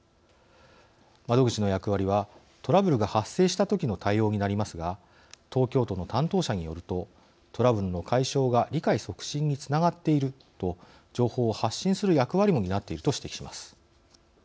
窓口の役割はトラブルが発生したときの対応になりますが東京都の担当者によるとトラブルの解消が理解促進につながっていると情報を発信する役割も担っていると指摘します。